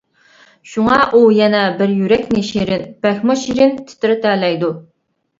شۇڭا ئۇ يەنە بىر يۈرەكنى شېرىن، بەكمۇ شېرىن تىترىتەلەيدۇ.